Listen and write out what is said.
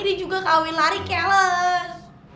dia juga kawin lari keles